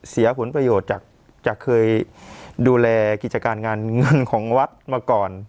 เสียผลประโยชน์จากเคยดูแลกิจการงานเงินของวัดมาก่อน